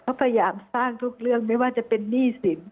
เขาพยายามสร้างทุกเรื่องไม่ว่าจะเป็นหนี้สิน